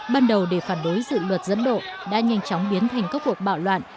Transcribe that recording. ban đầu để phản đối dự luật dẫn độ đã nhanh chóng biến thành các cuộc bạo loạn